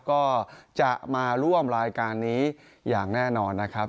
ก็จะมาร่วมรายการนี้อย่างแน่นอนนะครับ